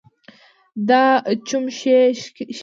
دا چموښي ښکي دي